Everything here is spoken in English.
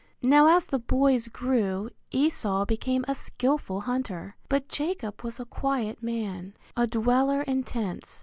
Now as the boys grew Esau became a skilful hunter, but Jacob was a quiet man, a dweller in tents.